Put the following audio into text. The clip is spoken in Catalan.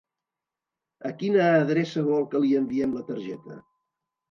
A quina adreça vol que li enviem la targeta?